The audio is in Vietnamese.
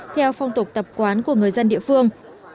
theo phong tục tập quán của người dân địa phương